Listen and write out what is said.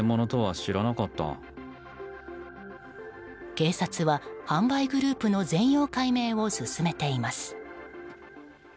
警察は販売グループの全容解明を進めています。